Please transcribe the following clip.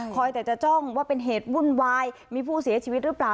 แต่จะจ้องว่าเป็นเหตุวุ่นวายมีผู้เสียชีวิตหรือเปล่า